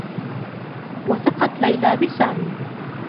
وثقت ليلى بسامي.